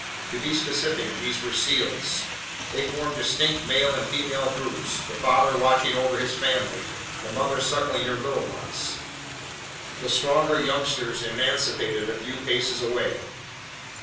To be specific, these were seals. They formed distinct male and female groups, the father watching over his family, the mother suckling her little ones, the stronger youngsters emancipated a few paces away.